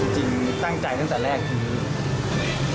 จริงตั้งใจตั้งแต่แรก